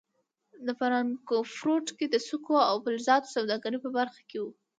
په فرانکفورټ کې د سکو او فلزاتو سوداګرۍ په برخه کې و.